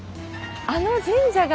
あの神社が。